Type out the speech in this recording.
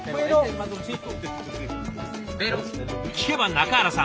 聞けば中原さん